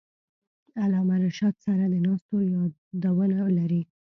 علامه رشاد سره د ناستو یادونه لري.